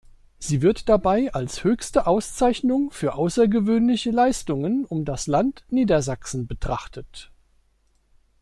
Sie wird dabei als höchste Auszeichnung für außergewöhnliche "Leistungen" um das Land Niedersachsen betrachtet.